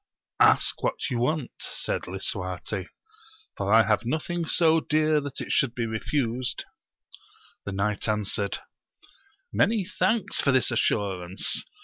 Ask what you want, said Lisuarte, for I have nothing so dear that it should be refused. The knight answered, Many thanks for this assurance